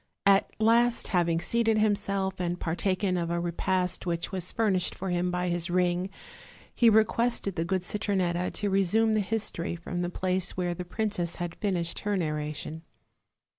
At last, having seated himself, and partaken of a repast which was furnished for him by his ring, he requested the good Citronetta to resume the history from the place where the princess had finished her narration.